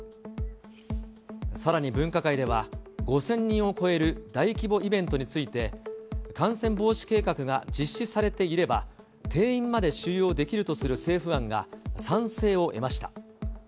さらに分科会では、５０００人を超える大規模イベントについて、感染防止計画が実施されていれば、定員まで収容できるとする政府案が賛成を得ました。